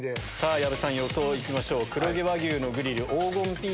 矢部さん予想行きましょう。